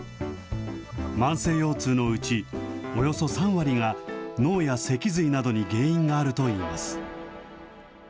慢性腰痛のうち、およそ３割が、脳や脊髄などに原因があるといいます。